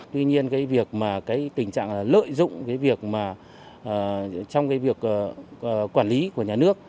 tuy nhiên cái việc mà cái tình trạng là lợi dụng cái việc mà trong cái việc quản lý của nhà nước